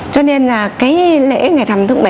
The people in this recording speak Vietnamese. cho nên là cái lễ ngày rằm tháng bảy